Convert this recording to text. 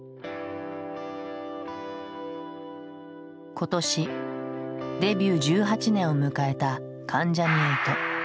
今年デビュー１８年を迎えた関ジャニ∞。